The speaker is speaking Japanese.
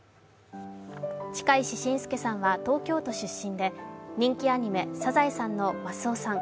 近石真介さんは東京都出身で人気アニメ「サザエさん」のマスオさん